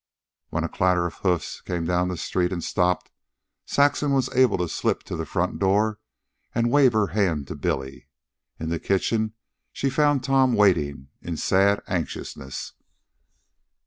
When a clatter of hoofs came down the street and stopped, Saxon was able to slip to the front door and wave her hand to Billy. In the kitchen she found Tom waiting in sad anxiousness.